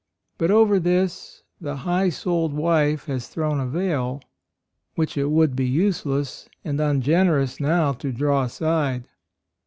But over this the high souled wife has thrown a veil, which it would AND MOTHER. 15 be useless and ungenerous now to draw aside.